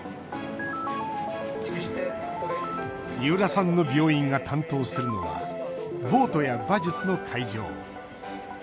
三浦さんの病院が担当するのはボートや馬術の会場。